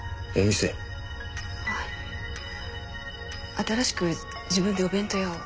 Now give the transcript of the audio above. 新しく自分でお弁当屋を。